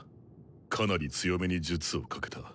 かなり強めに術をかけた。